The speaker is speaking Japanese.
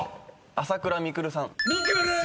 「朝倉未来」さんです］